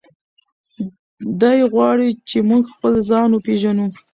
دی غواړي چې موږ خپل ځان وپیژنو.